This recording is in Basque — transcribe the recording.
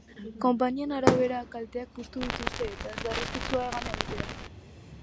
Konpainien arabera, kalteak puztu dituzte eta ez da arriskutsu hegan egitea.